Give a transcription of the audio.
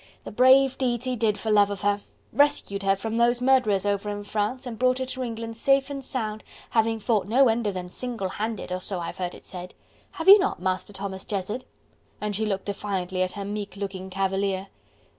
"The brave deeds he did for love of her! Rescued her from those murderers over in France and brought her to England safe and sound, having fought no end of them single handed, so I've heard it said. Have you not, Master Thomas Jezzard?" And she looked defiantly at her meek looking cavalier.